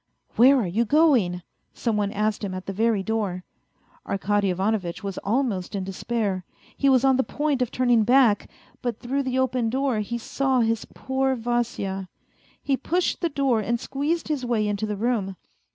" Where are you going ?" some one asked him at the very door. Arkady Ivanovitch was almost in despair ; he was on the point of turning back, but through the open door he saw his poor Vasya. He pushed the door and squeezed his way into the room.